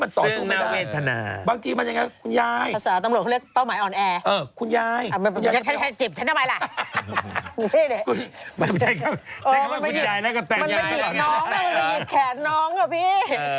มันไปหยิดแขนน้องเหรอพี่